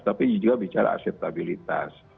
tapi juga bicara asetabilitas